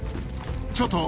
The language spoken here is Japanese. ちょっと。